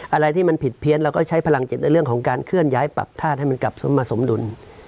อะไรที่มันผิดเพี้ยนเราก็ใช้พลังจิตในเรื่องของการเคลื่อนย้ายปรับธาตุให้มันกลับสมมาสมดุล